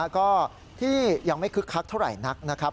ก็ที่ยังไม่คึกคักเท่าไหร่นักนะครับ